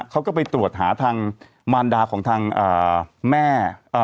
เขาก็ไปตรวจหาทางมารดาของทางแม่